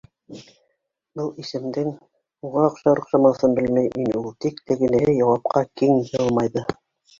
Был исемдең уға оҡшар-оҡшамаҫын белмәй ине ул, тик тегенеһе яуапҡа киң йылмайҙы.